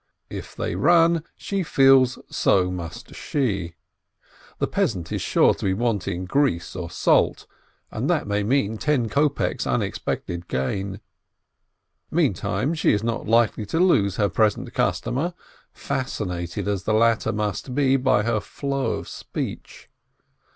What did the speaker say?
If they run, she feels so must she. The peasant is sure to be wanting grease or salt, and that may mean ten kopeks' unexpected gain. Meantime she is not likely to lose her present customer, fascinated as the latter must be by her flow of speech.